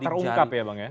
cepat terungkap ya bang ya